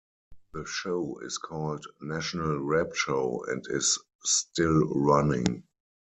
The show is called "National Rap Show" and is still running.